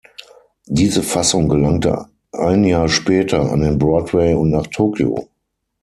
Diese Fassung gelangte ein Jahr später an den Broadway und nach Tokio.